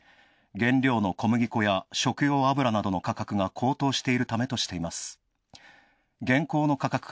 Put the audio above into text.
原料の小麦粉や食料油の価格などが高騰しているためとしています。